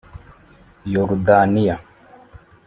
Yorudaniya